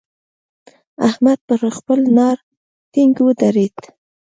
احمد پر خپل ناړ ټينګ ودرېد.